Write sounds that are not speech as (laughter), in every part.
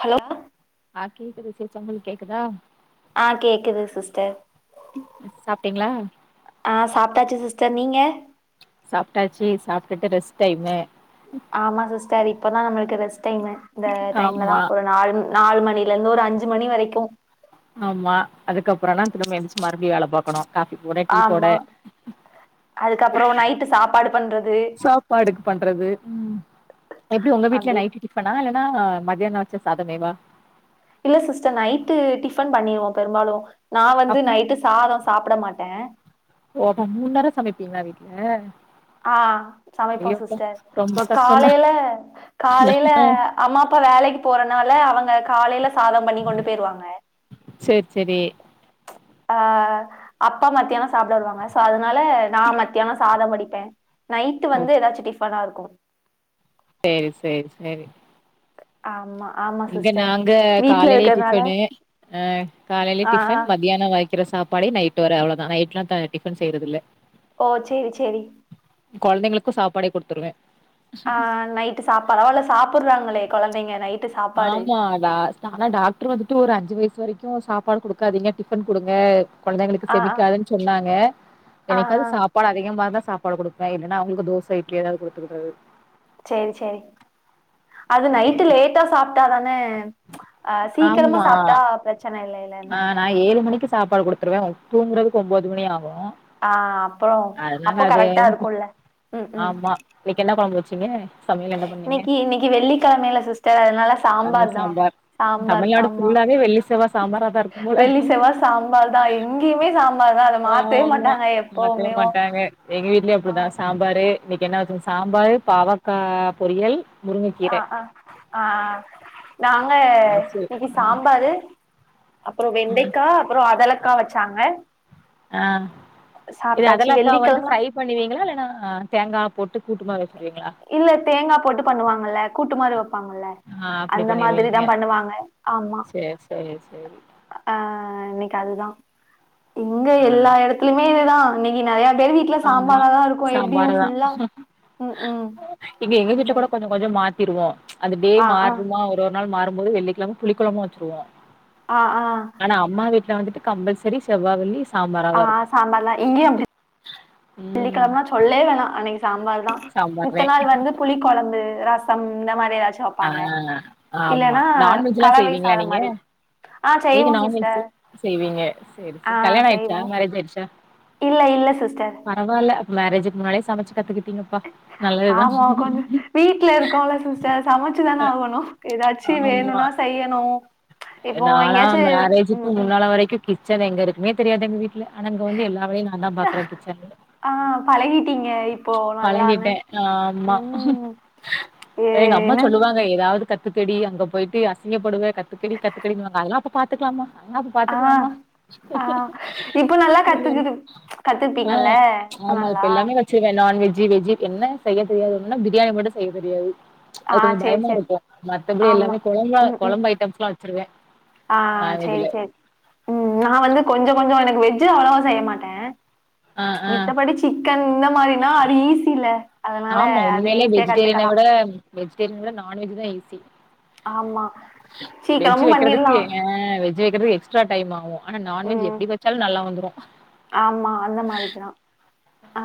Hello ஆஹ் கேக்குது சரி உங்கள்க் கேக்குதா ஆஹ் கேக்குது சிஸ்டர் சாப்ட்டீங்ளா ஆ சாப்ட்டாச்சு சிஸ்டர் நீங்க சாப்ட்டாச்சு சாப்பிட்டுட்டு ரெஸ்ட் டைமு ஆமா சிஸ்டர் இப்பதா நம்மளுக்கு ரெஸ்ட் டைமு இந்த டைம்லதா ஆமா ஒரு நாலு நாலு மணிலந்து ஒரு அஞ்சு மணி வரைக்கு ஆமா அதுக்கப்புறம்னா திரும்ப எந்திருச்சு மறுபடியு வேல பாக்கணு காபி போட டீ போட ஆமா அதுக்கப்புறோ நைட்டு சாப்பாடு பண்றது சாப்பாடுக்கு பண்றது ம் எப்டி உங்க வீட்ல அப்டின்னு நைட்டு டிப்பனா இல்லனா மதியியானோ வெச்ச சாதமேவா இல்ல சிஸ்டர் நைட்டு டிஃபன் பண்ணிருவோ பெரும்பாலு நா வந்து அப் நைட்டு சாதோ சாப்ட மாட்டே ஓ ஹோ மூண் நேரோ சமைப்பீங்ளா வீட்ல ஆஹ் சமைப்போ ஐயோ அப்பா சிஸ்டர் ரொம்ப கஷ்டந்தா காலையில காலையில அம்மா அப்பா வேலைக்கு போறனால அவங்க காலையில சாதம் பண்ணி கொண்டு போயிருவாங்க சேர் செரி ஆஹ் அப்பா மத்தியானம் சாப்பிட வருவாங்க சோ அதனால நா மத்தியானம் சாதம் வடிப்பே நைட்டு ஓ வந்து ஏதாச்சும் டிஃபனா இருக்கு சேரி சேரி செரி ஆமா ஆமா இங்க சிஸ்டர் நாங்க வீட்ல காலையிலயே இருக்கறனால டிஃபனு ஆஹ் காலையில ஆ ஆ டிஃபன் மதியானோ வாய் க்கிற சாப்பாடே நைட் வர அவ்ளோதா நைட்ல்லா நா டிஃபன் செய்றது இல்ல ஓ சேரி சேரி கொழந்தைங்களுக்கு சாப்பாடே குடுத்துருவே ஆஹ் நைட்டு சாப்பாடு பரவால்ல சாப்புட்றாங்களே கொழந்தைங்க நைட் ஆமா தா ஆனா டாக்டர் வந்துட்டு ஒரு அஞ்சு வயசு வரைக்கு சாப்பாடு குடுக்காதீங்க டிஃபன் குடுங்க கொழந்தைங்களுக்கு ஆ ஆ செமிக்காதுன் சொன்னாங்க ஆ ஆ என்னிக்காது சாப் சப்பாடு அதிகமானா தா சாப்பாடு குடுப்பே இல்லனா அவங்களுக்கு தோச இட்லி ஏதாவது குடுத்துக்கறது சேர்செரி அது நைட்டு லேட்டா சாப்ட்டாதான அஹ் சீக்கிரமா சாப்ட்டா பிரச்சன இல்லை ஆஹ் நா ஏழு மணிக்கு சாப்பாடு குடுத்துருவே துங்குறதுக்கு ஒன்போது மணி ஆகு ஆஹ் அப்பறோ அதனால அப்போ அது கரெக்டா இருக்குல்ல ம் ம் ஆமா இன்னைக்கு என்ன கொழம்பு வெச்சீங்க இன்னைக்கி இன்னைக்கி வெள்ளிக்கெழமயில்ல சிஸ்டர் அதனால சாம்பார் தா சாம்பார் தமிழ்நாடு ஆமா ஃபுல்லாவே வெள்ளி செவ்வா சாம்பாராதா இருக்கும் போல வெள்ளி செவ்வா சாம்பார் தா எங்கேயுமே சாம்பார் தா அத மாத்தவே ஆமா மாட்டாங்க மாத்தவே எப்பவுமே வு மாட்டாங்க எங்க வீட்லயு அப்டிதா சாம்பாரு இன்னைக்கு என்ன வெச்சாங்க சாம்பார் பாவக்கா பொரியல் முருங்கக்கீர ஆஹ் ஆஹ் ஆஹ் நாங்க இனிகி ம் சாம்பாரு அப்றோ ஆ வெண்டைக்கா அப்றோ அதலக்கா வச் சாங்க. ஆ இது அதலக்கா வந்து வெள்ளிக்கிழம ஃப்ரை பண்ணுவீங்களா இல்லனா தேங்கா போட்டு கூட்டுமாரி வச்சுருவீங்களா இ இல்ல தேங்கா போட்டு பண்ணுவாங்கல்ல கூட்டு மாரி வெப்பாங்கல்ல. ஆ அப்டி அந்த மாதிரிதா பண்ணிருவீங்க பண்ணுவாங்க ஆமா. சேர் சேரி சேரி அ இன்னிக் அதுதா இங்க ஆ எல்லா எடத்துலிமே இதுதா. இன்னிக்கி நறையா பேர் வீட்ல ஆமா சாம்பாராதா இருக்கு எப்டியு ஃபுல்லா ம்ஹு. இப்ப எங்க வீட்ல கூட கொஞ்சோ கொஞ்சோ மாத்திருவோ அந்த டே ஆ ஆ மார்றுமா ஒ ரு நாள் மாறும் போது வெள்ளிக்கெழம புளி கொழம்பு வெச்சுருவோ. ஆ ஆ. ஆனா அம்மா வீட்ல வந்துட்டு கம்பல்செரி செவ்வா வெள்ளி ஆ சாம்பாராதா இருக்கு. ம் வெள்ளிக்கெழமனா சொல்லே வேணா அன்னிக்கு சாம்பார்தா மித்த சாம்பார்தே நாள் வந்து புளி கொழம்பு, ரசம் இந்த மாரி எதாச்சு ஆ வெப்பாங்க ஆமா இல்லனா நான்வெஜ்லா கலவை செய்வீங்களா சாதம் நீங்க? மாரி. ஆ நீங்க செய்வோம் நான்வெஜ்ஜு சிஸ்டர் செய்வீங்க சேரி ஆ சேர் கல்யாணோ ஆய்ர்ச்சா செய்வோம் மேரேஜ் ஆய்ர்ச்சா? இல்ல இல்ல சிஸ்டர். பரவால்ல அப்ப மேரேஜுக் முன்னாலயே சமைச்சு கத்துக்கிட் நல்லதுதா. ஆமா கொஞ்சம் வீட்ல இருக்கோ இல்ல சிஸ்டர் சமைச்சுதான ஆகோணு க எதாச்சி வேணுனா செய்ய நோ அ நாலா மேரேஜுக்கு முன்னால வரைக்கு கிச்சன் எங்க இருக்குனே தெரியாது எங்க வீட்ல ஆனா இங்க வந்து எல்லா வேலையு நா ந்தா பாக்குறே கிச்சன்ல. ஆ பழகிட்டீங்க இப்போ நல்லான்னு. பழகிட்டே ஆம்மா. ம். ஏ எங்க அம்மா என்ன சொல்லுவா ங்க எதாவது கத்துக்கடி அங்க போயிட்டு அசிங்கப்படுவ கத்துக்கடி கத்துக்கடினுவாங்க அதல்லா அப்ப பாத்துக்கலாம்மா ஆ அப்ப பாத்துக்கலாம்மா ஆ. இப்போ நல்லா ம். கத்துக்குது ஆ கத்துப்பீங்கல்ல? ஆமா இப்ப நல்லா? எல்லாமே வ செய்வே நான்வெஜ்ஜி வெஜ்ஜி என்ன செய்ய தெரியாது ஒன்னுனா பிரியாணி மட்டு செய்ய தெரியாது. ஆ அது கொஞ்சோ சரி, பயமா சரி. இருக்கு மத்தபடி ஆமா. எல்லாமே கொழம்பா ம், ம். கொழம்பு ஐட்டம்ஸ்லா வெ ஆ சேரி சேரி. ம் நா வந்து கொஞ்சோ கொஞ்சோ எனக்கு வெஜ்ஜு அவளவா செய்ய மாட்டே ஆ ஆ மித்தபடிச் சிக்கன் இந்த மாரினா அது ஈசி இல்ல. ஆமா உண்மைலியே வெஜிடேரியன விட வெஜிடேரியன விட நான்வெஜ் தா ஈசி. ஆமா வெஜ்ஜூ சீக்கிரமு வெக்கறதுக்கு பண்ணிர்லா ஏ வெஜ் ஜு வெக்கிறது எக்ஸ்ட்ரா டைம் ஆவு ஆனா நான்வெஜ் ம் எப்டி வெச்சால் நல்லா வந்துரு. ஆமா அந்த மாரிக்குனு. ஆ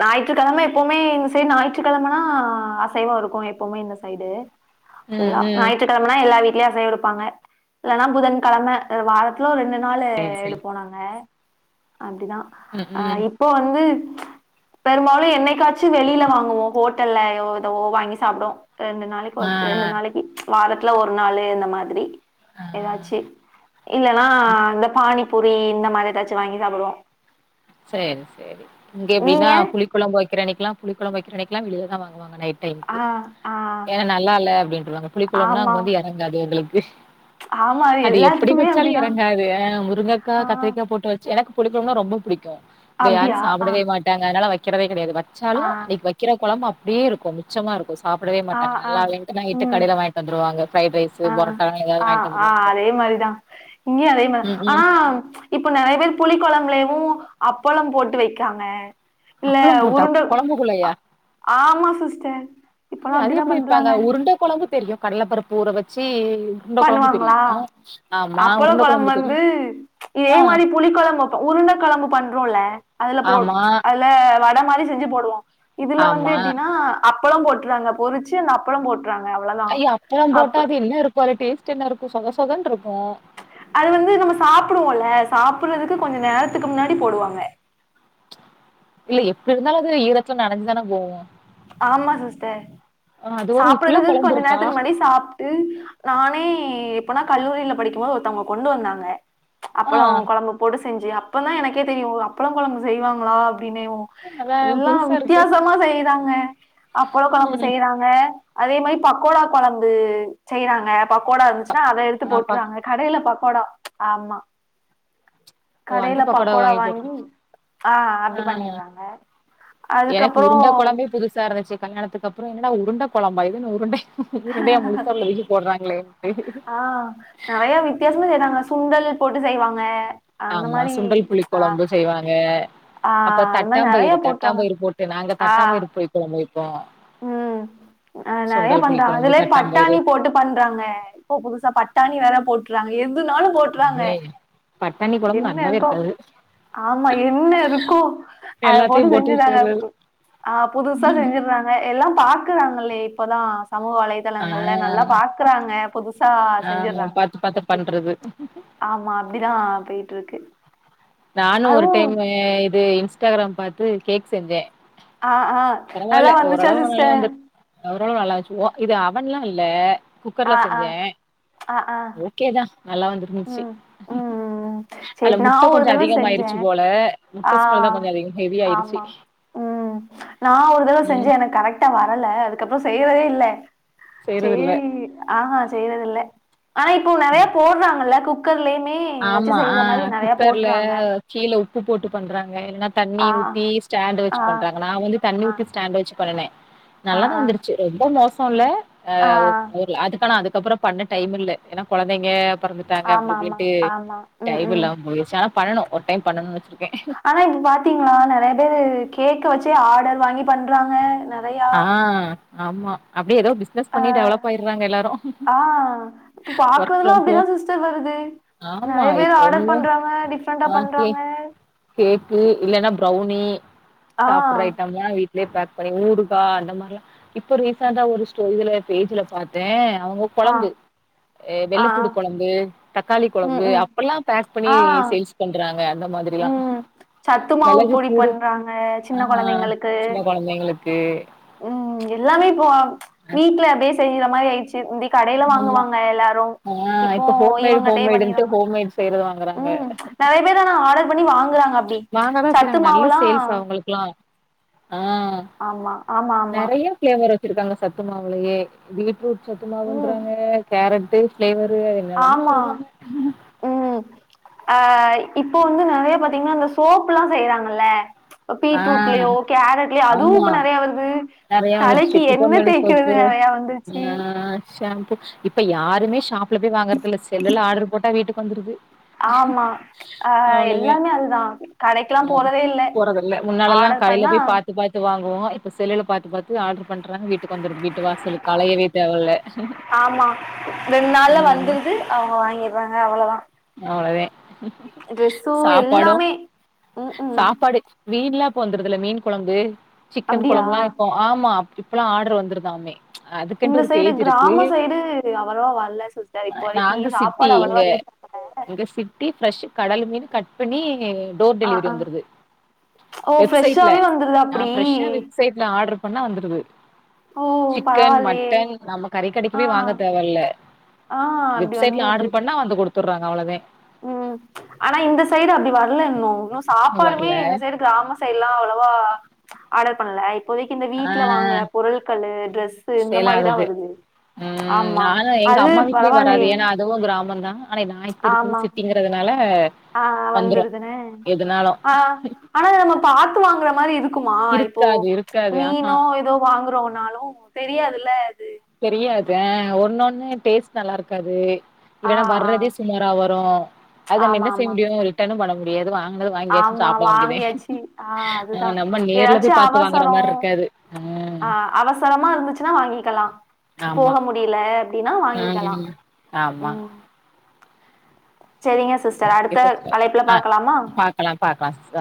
ஞாயிற்றுக்கெழம எப்புமே இந்த சைட் ஞாயிற்றுக்கெழமனா அசைவோ இருக்கு எப்புமே இந்த சைடு. ம் இல்லா ம் ஞாயிற்று கெழமனா எல்லா வீட்லியு அசைவோ எடுப்பாங்க இல்லனா புதன் கெழம அ வாரத்ல ஒரு ரெண்டுன் நாளு சேரி சேரி எடுப்போ நாங்க அப்டிதா ம் அ ம் இப்போ வந்து பெரும்பாலு என்னைக்காச்சு வெளில வாங்குவோ ஹோட்டல்லயோ எதுவோ வாங்கி சாப்டுவோ ரெண்டு நாளை ஆ போத் ரெண்டு நாளைக்கி வாரத்ல ஒரு நாளு இந்த மாதிரி. ஆ எதாச்சி இல்லனா இந்த பானிபூரி இந்த மாரி எதாச்சி வாங்கி சாப்புடுவோ. சேரி சேரி இங்க எப்டின்னா நீங்க புளி கொழம்பு வெக்கிற அன்னைக்குலா புளி கொழம்பு வைக்கிற அன்னைக்குலா வெளிலதா வாங்குவாங்க நைட் டைம்க்கு ஆ ஆ ஏனா நல்லா இல்ல அப்டின்ருவாங்க புளிக்கொளம்புனா ஆமா அங்க வந்து எறங்காது உங்களுக்கு ஆமா அது எப்டி எல்லாத்துக்குமே வச்சாலு அப்டிதா எறங்காது அ முருங்கக்கா ஆ கத்திரிக்கா போட்டு வச் ச்சா எனக் புளிக்கொழம்புனா ரொம்ப புடிக்கும் இங்க யாரு அப்டியா ஆ சாப்பிடவே மாட்டாங்க அதனால வைக்கிறதே கிடையாது வச்சாலு ஆ அன்னைக்கு வைக் வக்கிற குழம்பு அப்டியே இருக்கு மிச்சமா இருக்கு சாப்பிடவே ஆ மாட்டாங்க ஆ நல்லா இல்லைன்ட்டு நைட்டு கடைல வாங்கிட்டு வந்துருவாங்க ஃப்ரைட் ரைஸ் ஆஆ ஆ அதே மாரிதா இங்கயு அதே மாரிதா ம், ம். ஆனா இப்ப நறைய பேர் புளி குழம்புலேவு அப்பளம் போட்டு வைக்கறாங்க இல்ல அப்பளம் போட்டா உருண்ட அ கொழம்புக்குள்ளயா? ஆமா சிஸ்டர் இப்பல்லா அய அது அப்டிதா எப்டி வைப்பாங்க பண்றாங்க உருண்ட கொழம்பு தெரியு கடலப்பருப்பு ஊற வச்சி பண்ணுவாங்களா அப்பள உருண்ட கொழம்பு வந்து தெரியும். இதே ஆ மாரி புளி கொழம்ப உருண்ட கொழம்பு பண்றோல அதுல போ ஆமா, அதுல வட மாரி செஞ்சு போடுவோ இதுல வந்து ஆமா. எப்டின்னா அப்பளோ போட்டுறாங்க பொறிச்சி அந்த அப்பளோ போட் றாங்க அவ்ளோதா அய அப்பளம் போட்டா அப்பள அது என்ன இருக்கோ அது டேஸ்ட் என்ன இருக்கு சொதசொதன்னு இருக்கோ அது வந்து நம்ம சாப்பிடுவோல்ல சாப்பிடுறதுக்கு கொஞ்சோ நேரத்துக்கு முன்னாடி போடுவாங்க இல்ல எப்டி இருந்தாலு அது ஈரத்துல நனஞ்சுதான போவும் ஆமா சிஸ்டர் ஆ அது ஒரு இப்டிலா சாப்பிடுறதுக்கு கொழம்பு கொஞ்ச இருக்கா? நேரத்துக்கு முன்னாடி சாப் ட்டு நானே எப்பனா கல்லூரியில படிக்கும் போது ஒருத்தவங்க கொண்டு வந்தாங்க ஆ அப்பளோ கொழம்பு போட்டு செஞ்சி அப்ப தா எனக்கே தெரியு அப்பள கொழம்பு செய்வாங்களா அப்டினேவு அதான் எல்லா புதுசா இருக்கு. வித்தியாசமா செய்றாங்க அப்பள கொழம்பு ம் செய் தாங்க அதே மாரி பக்கோடா கொழம்பு செய்தாங்க பக்கோடா இருந்துச்சுன்னா அத எடுத் து ஆ பக் போட்டுறாங்க கடைல பக்கோடா ஆமா ஓ அந்த கடைல பக்கோடா போட்டு வாங்கி ஆ அப்டி பண்ணிறாங்க அதுக்கப்பறோ சார் இருந்துச்சு கல்யாணத்துக்கு அப்புறோ என்னடா உருண்ட கொழம்பா இதென்ன உருண்டை உருண்டையா முழுசா உள்ள தூக்கி போடுறாங்களே ஆ நறையா வித்தியாசமா செய்றாங்க சுண்டல் போட்டு செய்வாங்க அந்த ஆமா மாரி சுண்டல் புளி ஆ கொழம்பு செய்வாங்க ஆ அப்ப அது மாரி நெறைய தட்டாம்பயிறு போட்றாங்க தட்டாம்பயிறு போட்டு நாங்க ஆ தட்டாம்பயிறு புளி கொழம்பு வைப்போ ம் அ நறையா பண்றாங்க கொழம்பு அதுலே தட்டாம்பயிறு பட்டாணி போட்டு பண்றாங்க இப்ப புதுசா பட்டாணி வேற போட்டுறாங்க எதுனாலு போட்றாங்க ஏய், பட்டாணி கொழம்பு என்ன நல்லாவே இருக்கோ இருக்காது. ஆமா என்ன இருக்கோ அத எல்லாத்தையு போட்டு செஞ்சுதாங்க வச்சறது கு ஆ புதுசா செய்ஞ்சிருந்தா அ எல்லா பாக்குறங்களே இப்பதான் சமூக ஆ வலைதளங்கள்ல நல்லா பாக்குறாங்க புதுஸ் புதுசா ஆ செஞ்சறாங்க பாத்து பாத்து ரெஸ்பீஸ் பண்றது ஆமா அப்டிதா போயிட் இருக்கு நானும் ஒரு அதுவு டைம் இது இன்ஸ்டாகிராம் பாத்து கேக் செஞ்சே ஆ ஆ நல்லா பரவால வந்துச்சா ஓரளவு நல்ல சிஸ்டர் வந்துர் அவரவளவு நல்லாச்சு ஓ இது அவன்லா இல்ல குக்கர்ல ஆ ஆ செஞ்சேன் ஆ ஆ ஒ கே தான் நல்லா வந்துருந்துச்சு ம் ம் ம் அல சரி நா முட்ட ஒரு கொஞ்சோ தடவ செஞ்சே அதிகமயிடுச்சு போல ஆ முட்ட ஸ்மெல் தான் கொஞ்சோ அதிக ஹெவியயிருச்சு ஆமா ம் நான் ஒரு தடவ செஞ்சு எனக்கு கரெக் ட்டா வரல அதுக்கப்பறோ செய்றதே இல்ல செய்றது இல்ல சேரி ஆஹா செய்றதில்ல ஆனா இப்போ நறைய போடுறாங்கல்ல குக் குக்கர்லயுமே வச்சு ஆமா ஆ செய்யற மாரி நறைய குக்கர்ல போட்டுறாங்க கீழ உப்பு போட்டு பண்றாங்க என்னா தண்ணி ஆ ஊத்தி ஸ்டாண்ட் வச்சு ஆ பண்றாங்க நா வந்து தண்ணி ஆ ஊத்தி ஸ்டாண்ட் வச்சு பண்ணுனே ஆ நல்லா தா வந்துரு சசு ரொம்ப மோசோ இல்ல ஆ ஊர்ல அதுக்கானா அதுக்கப்றோ பண்ண டைம் இல்ல ஏனா கொழந்தைங்க பெறந்துட்டாங்க அப்டி ஆமா ஆமா இப்டின்ட்டு ஆமா ம் டைம் ம் இல்லாம போய்டுச்சு ஆனா பண்ணனு ஒரு டைம் பண்ணணுனு வச்சிருக்கே ஆனா இப்ப பாத்தீங்களா நெறைய பேரு கேக்க வச்சே ஆர்டர் வாங்கி பண்றாங்க ந ஆ ஆம்மா அப்டியே ஏதோ பிஸ் னஸ் பண்ணி ஆ டெவலப் ஆய்றாங்க எல்லாருக்கும் ஆ இப்ப ஒர்க் பாக்குறதெல்லா ஃப்ரம் அப்டிதா ஹோம் சிஸ்டர் வருது ஆமா நெறைய பேர் இப்போ ஆர்டர் உள்ள பண்றாங்க டிஃப்ரெண்டா பண்றாங்க மார்கெட் கேக்கு இல்லேன்னா ப்ரவுன்னி ஆ சாப்ட்ற ஐட்டம்லா வீட்லயே பேக் பண்ணி ஊருக் ப்பா அந்த மாரில இப்ப ரிசன்ட்ஆ ஒரு ஸ்டோரில இதுல பேஜ்ல பாத்தே அவுங்க ஆ கொழம்பு எ ஆ ஆ வெள்ளப்பூடு கொழம்பு தக்காளி ம் கொழம்பு ம் அப்பல்லா பேக் பண்ணி சேல்ஸ் பண்றாங்க அந்த மாதிரியா சத்துமாவு பொடி பண்றாங்க ஆ சின்ன கொழந்தைங்களுக்கு சின்ன கொழந்தைங்களுக்கு ம் எல்லாமே இப்போ வீட்ல அப்டியே செய்ர மாரி ஆயிடுச்சு ப்தி கடைல ஆமா வாங்குவாங்க எல்லாரு ஆ இப்போ இப்ப ஹோம்மேடு இவங்கிட்டயே ஹோம்மேடுன்ட்டு பண்ணிர்றாங்க ஹோம்மேட் செய்றது வாங்குறாங்க உம் ப்ச் நெறைய பேரு ஆனா ஆடர் பண்ணி வாங்குறாங்க அப்டி வாங்கதா சத்து செய்றாங்க நல்ல மாவுலா சேல்ஸ் அவ்ங்களுக்குல்லா ஆ ஆமா ஆமா ஆமா நெறைய ஃபிளேவர் வச்சிருக்காங்க சத்து மாவுலேயே பீட்ரூட் சத்து ம் மாவுன்றாங்க கேரட்டு பிளேவரு என்னலாமோ ஆமா சொல்றாங்க ம் ஆ இப்போ வந்து நெறைய பாத்தீங்கன்னா அந்த சோப் எல்லா செய்றாங்கள்ல ஆ பீட்ரூட்லயோ கேரட்லயோ அதுவு ஆமா இப்ப நெறைய வருது நெறைய அவர் தலைக்கு சிப்புக்கு எண்ணெ மேனி தேய்க்கிறது போத்தூ நெறைய வந்துருச்சு கிய்யா (unintelligible) ஷாம்பூ இப்ப யாருமே ஷாப்ல போய் வாங்கறது இல்ல செல்லுல ஆர்டர் போட்டா வீட்டுக்கு வந்துருது ஆமா ஆ அவ்ளதே எல்லாமே அதுதான் கடைக்கெல்லா போறதே இல்ல இல்ல முன்னாலெல்லா ஆர்டர் கடைல பண்ணா போய் பாத்து பாத்து வாங்குவோ இப்ப செல்லுல பாத்து பாத்து இப்யே ஆடர் பண்றாங்க வீட்டுக்கு வந்துருது வீட்டு வாசலுக்கலையவே தேவல்ல ஆமா ரெண்ட் நாளுல ம் வந்துருது அவ்ங்க வாங்கிறாங்க அவ்ளோதா அவ்ளோதெ சாப்பாடும் எல்லாமே ம் ம் சாப்பாடு மீன்லா போ வந்துருதுல மீன் கொழம்பு சிக்கன் அப்டியா கொழம்புல்லா இப்போ ஆமா அப்டி இ ப்பல்லா ஆடர் வந்திருதாமே அதுக்கின்டு இந்த ஒரு சைடு பேஜ் இருக்கு கிராம சைடு அவ்வளவா வரல சிஸ்டர் இப்போ வரைக்கி நாங்க சிட்டி சாப்பாடு இங்க அவ்வளவா ரீச் ஆகல இங்க சிட்டி ஃப்ரெஷ் கடல் மீன் கட் பண்ணி டோர் ஆ டெலிவரி ஆ வந்துருது ஓ வெப்சைட்ல ஃப்ரெஷ்ஷாவே வந்துருதா நா அப்டி ஃப்ரெஷ்ஷா வெப் சைட்ல ஆடர் பண்ணா வந்துருது ஓ சிக்கன் பரவால்லயே மட்டன் நம்ம கறி கடக்கி ஆ போய் வாங்க தேவ இல்ல ஆ அப்டி வெப்சைட்ல ஆடரு பண்ணா வந்து குடுத்துடுறாங்க அவ்ளோதா உம் ஆனா இந்த சைடு அப்டி வரலன்னு இன்னு சாப்பாடுமே வரல இந்த சைடு கிராம சைடுலா அவ்ளோவா ஆடர் பண்ணல இப்போதைக்கு இந்த ஆ வீட்ல வாங்குற பொருள்களு ட்ரெஸ்சு இந்த சேல் மாதிரிதா ஆகுது வருது ம் ஆமா நானு எங்க அது அம்மா வீட்லயே வராது பரவால்லயே ஏன்னா அதுவு கிராமோ தா ஆனா நாயி ப்ப ஆமா ருக்குறது சிட்டிங்கிறதுனால ஆ வந்துரு வந்துருதுனே எதுனாலு ஆ ஆனா நாம பாத்து வாங்குறா மாதிரி இருக்குமா இப்போ இருக்காது இருக்காது ஆஹா மீனோ ஏதோ வாங்குறோனாலும் உ தெரியாதுல்ல அது தெரியாது ஒன்னொண்ணு டேஸ்ட் நல்லாருக்காது இல்ல ஆ நா ஆ வர்றதே சுமாரா வரோ அது நம்ம ஆமா என்ன செய்ய ஆமா முடியு ஒரு என்ன பண்ண முடியாது வாங்குனத வாங்கீயாச்சு ஆமா சாப்பிட வேண்டியதே வாங்கியாச்சு ஆ அதுதா நம்ம நேர்ல ஏதாச்சு போய் பாார்த்து வாங்குற அவசரோ மாதிரி இருக் காது உ ஆ அவசரமா இருந்துச்சுன்னா வாங்கிக்கலா போக ஆமா முடியல அப்படின்னா வாங்கிக்கலா ம் ஆமா ம் செரிங்க சிஸ்டர் ஓகே ஓகே அடுத்த சிஸ்டர் அலைப்புல ஆ பாக்கலாமா பாக்கலாம் பாக்கலாம் சிஸ்டர்